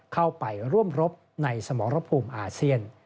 เข้าไปร่วมรบในสมรภูมิอาเซียน